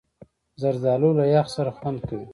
زردالو له یخ سره خوند کوي.